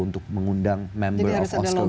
untuk mengundang member oscar untuk memilih